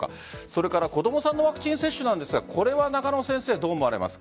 それから子供さんのワクチン接種ですがこれは中野先生